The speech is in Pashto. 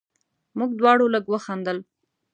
موږ دواړو لږ وخندل.